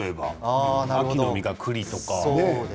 秋の味覚、くりとか？